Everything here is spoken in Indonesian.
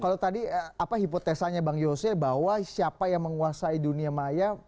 kalau tadi hipotesanya bang yose bahwa siapa yang menguasai dunia maya